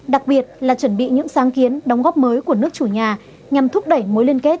đặc biệt là chuẩn bị những sáng kiến đóng góp mới của nước chủ nhà nhằm thúc đẩy mối liên kết